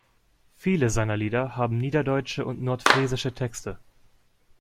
Viele seiner Lieder haben niederdeutsche und nordfriesische Texte.